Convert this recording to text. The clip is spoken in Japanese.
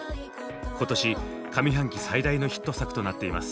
今年上半期最大のヒット作となっています。